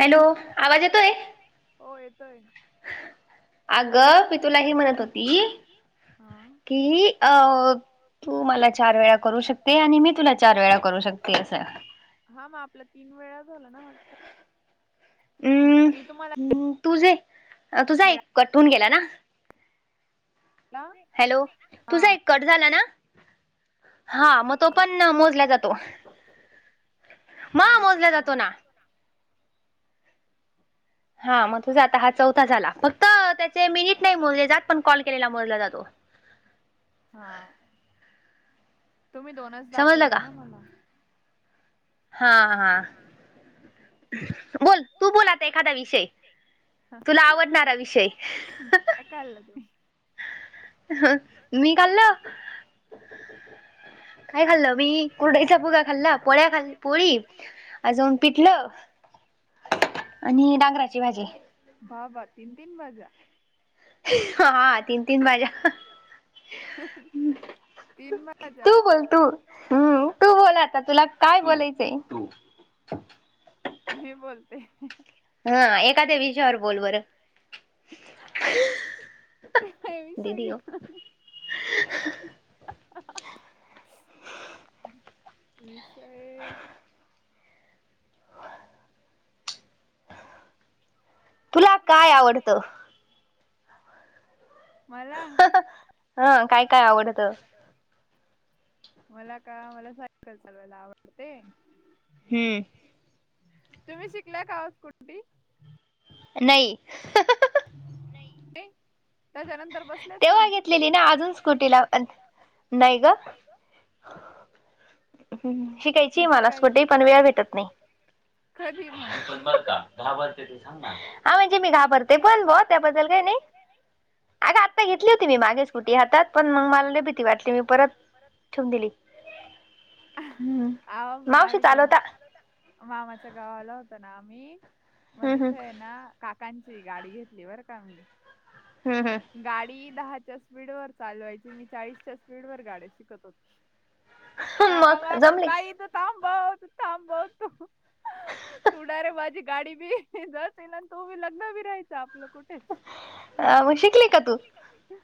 Hello आवाज येतोय. हो येतोय. अगं मी तुला हे म्हणत होती कि अ तू मला चार वेळा करू शकते आणि मी तुला चार वेळा करू शकते असं हा मग आपल्या तीन वेळा झाला ना वाटत हम् तुझे तुझा एक कटून गेला ना. हॅलो तुझा एक कट झाला ना. हा मग तो पण मोजला जातो म मोजला जातो ना. हा मग तुझा आता हा चौथा झाला फक्त त्याचे मिनिट नाही मोजले जात पण कॉल केलेला मोजला जातो. हा तुम्ही दोनच दा केले ना मला. हा हा. ह. बोल तू बोलाता एखादा विषय तुला आवडणारा विषय. काल त. मी कलला. काय खाल्ल मी कुरडाईचा बू काा खाल्ला पोळ्या खाल् पोळी अजून पिटलं. आणि डांगराची भाजी. बा बा तीन तीन वाजा. हा तीन तीन वाज्या. तीन वाजा हम्म तू बोलाता तुला काय बोलायचंय. मी बोलते. हा एखाद्या विषयावर बोल बरं. एव स [unintelligible] विषय तुला काय आवडतं? [inaudible] मला हम्म काय आवडत? मला का मला सायकल चालवायला आवडते. हम्म. तुम्ही शिकल्या काहत स्कुटी. नाही. ते त्याच्यानंतर बस. तेव्हा घेतलेली ना अजून स्कुटी ला नाही ग. हम् शिकायची मला स्कटे पण वेळ भेटत नाही. घाबरते हा म्हणजे मी घाबरते पण ब त्याबद्दल काय नाही आ घ. घेतली होती मी मागे स्कुटी हातात पण मग मला भीती वाटली मी परत ठेवून दिली. हम्म मावशी चालवता. मामाच्या गावाला होत ना आम्ही मग तिथे आहे ना. काकांची गाडी घेतली बरं का मी. हम हा. गाडी दहाच्या स्पीड वर चालवायची मी चाळीसच्या स्पीड वर गाडी शिकत होती. काका म पण बाई त थांबवत थांबव तू. तुडे माझी गाडी बी जात येईल आणि तो मी लग्न बी राहायचा आपलं कुठे. अण अ शिकली का तू?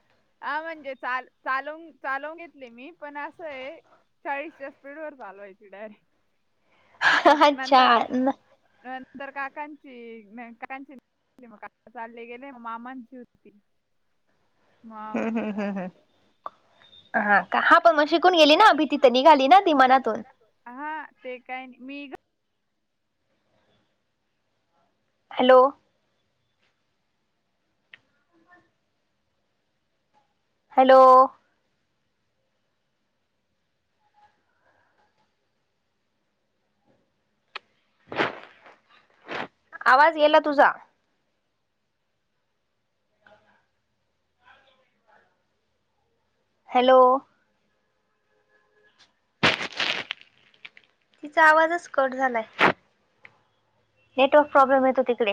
हा म्हणजे चाल चालव चालवून घेतली मी पण असं आहे चाळीसच्या स्पी वर चालवाय डायरेक्ट. म नंतर. तर काकांची काकांची म का चालले गेले मग मामांची होती मा म्हणची काले हा का हा पण मग शिकून गेली ना अ भी तिथ निघाली ना ती मनातून हा ते काय मी हॅलो हॅलो आवाज गेला तुझा हॅलो तिचा आवाजच कट झालाय नेटर्क प्रॉब्म येतो तिकडे